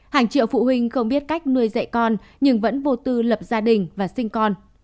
hàng triệu phụ huynh không biết cách nuôi dạy con nhưng vẫn vô tư lập gia đình và sinh con